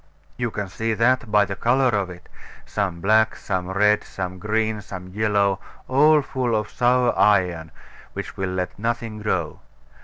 You can see that by the colour of it some black, some red, some green, some yellow, all full of sour iron, which will let nothing grow.